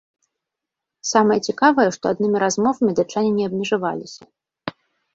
Самае цікавае, што аднымі размовамі датчане не абмежавалася.